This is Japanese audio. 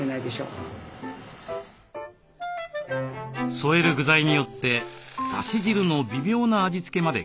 そえる具材によってだし汁の微妙な味付けまで変える。